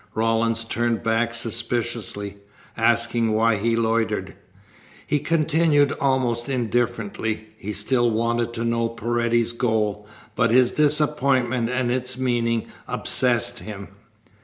Rawlins turned back suspiciously, asking why he loitered. He continued almost indifferently. He still wanted to know Paredes's goal, but his disappointment and its meaning obsessed him.